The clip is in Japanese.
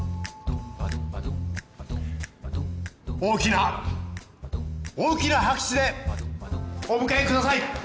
大きな大きな拍手でお迎えください！